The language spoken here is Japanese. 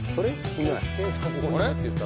いない。